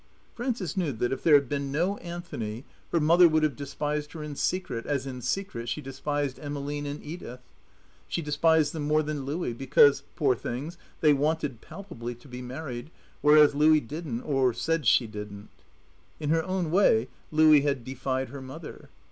Frances knew that if there had been no Anthony, her mother would have despised her in secret, as in secret she despised Emmeline and Edith. She despised them more than Louie, because, poor things, they wanted, palpably, to be married, whereas Louie didn't, or said she didn't. In her own way, Louie had defied her mother.